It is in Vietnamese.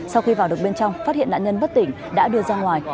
sau khi vào được bên trong phát hiện nạn nhân bất tỉnh đã đưa ra ngoài